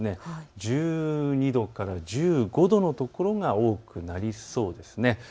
１２度から１５度の所が多くなりそうです。